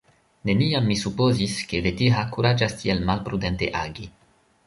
Neniam mi supozis, ke Vetiha kuraĝas tiel malprudente agi.